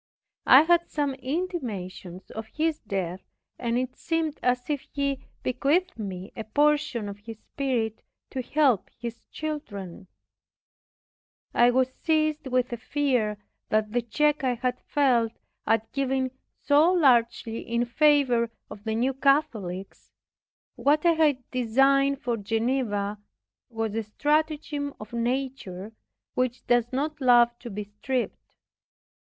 I had some intimations of his death, and it seemed as if he bequeathed me a portion of his spirit to help his children. I was seized with a fear, that the check I had felt, at giving so largely in favor of the New Catholics, what I had designed for Geneva, was a stratagem of nature, which does not love to be stripped.